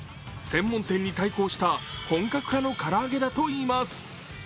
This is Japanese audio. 専門店に対抗した、本格派のから揚げだといいます。